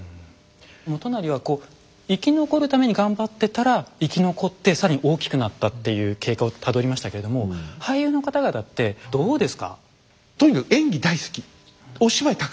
元就は生き残るために頑張ってたら生き残って更に大きくなったっていう経過をたどりましたけれども俳優の方々ってどうですか？